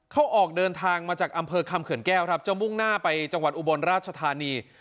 เขาออกเดินทางมาจากอำเภอคำเขื่อนแก้วครับจะมุ่งหน้าไปจังหวัดอุบลราชธานี